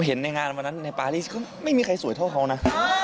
เห็นในงานวันนั้นในปารีสก็ไม่มีใครสวยเท่าเขานะ